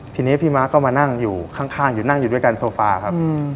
ทีนี้พี่ม้าก็มานั่งอยู่ข้างอยู่นั่งอยู่ด้วยกันโซฟาครับ